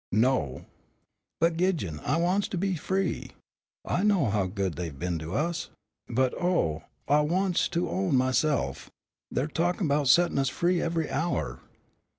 "No." "But, Gidjon, I wants to be free. I know how good dey've been to us; but, oh, I wants to own myse'f. They're talkin' 'bout settin' us free every hour."